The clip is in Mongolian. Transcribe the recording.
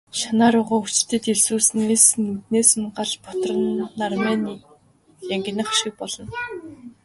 Шанаа руугаа хүчтэй дэлсүүлснээс нүднээс нь гал бутран, нармай нь янгинах шиг болно.